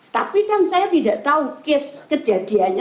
tapi kan saya tidak tahu case kejadiannya